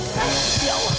kamu bisa pak